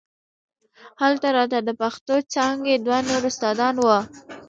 هلته راته د پښتو څانګې دوه نور استادان وو.